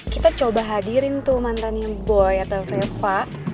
kita coba hadirin tuh mantannya boy atau veva